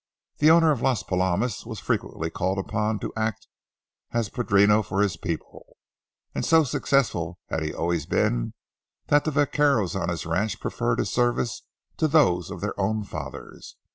The owner of Las Palomas was frequently called upon to act as padrino for his people, and so successful had he always been that the vaqueros on his ranch preferred his services to those of their own fathers.